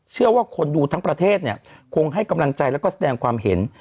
เชื่อว่าคนดูทั้งประเทศเนี่ยคงให้กำลังใจแล้วก็แสดงความเห็น